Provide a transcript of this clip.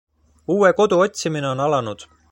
Uue kodu otsimine on alanud.